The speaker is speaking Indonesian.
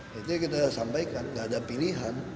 jadi kita sampaikan tidak ada pilihan